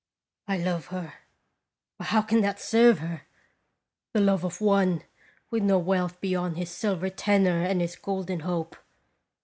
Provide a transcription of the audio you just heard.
I love her ; but how can that serve her the love of one with no wealth beyond his silver tenor and his golden hope.